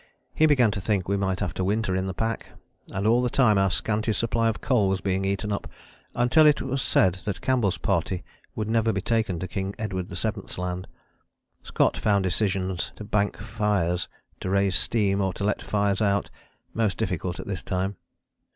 He began to think we might have to winter in the pack. And all the time our scanty supply of coal was being eaten up, until it was said that Campbell's party would never be taken to King Edward VII.'s Land. Scott found decisions to bank fires, to raise steam or to let fires out, most difficult at this time.